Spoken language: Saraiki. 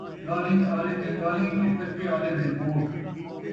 ڳالھیں آلیاں دیاں ڳالھیں تے ٹکے آلیاں دے موٹھ